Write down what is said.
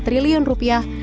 terhadap ekonomi dunia